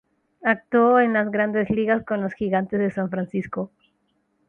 Actuó en las Grandes Ligas con los Gigantes de San Francisco.